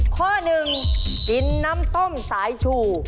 ข้อ๑ดินน้ำส้มสายชู